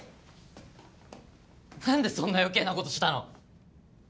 何でそんな余計なことしたの？